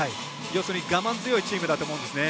要するに我慢強いチームだと思うんですよね。